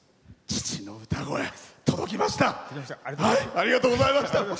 父の歌声、届きました。